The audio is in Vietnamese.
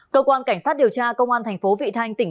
cơ quan cảnh sát điều tra công an tp hcm